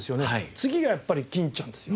次がやっぱり欽ちゃんですよ。